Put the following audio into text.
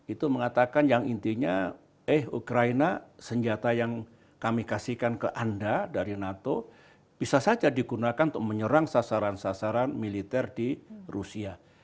itu mengatakan yang intinya eh ukraina senjata yang kami kasihkan ke anda dari nato bisa saja digunakan untuk menyerang sasaran sasaran militer di rusia